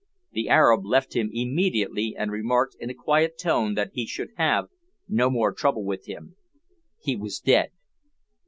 The Arab left him immediately and remarked in a quiet tone that he should have no more trouble with him he was dead!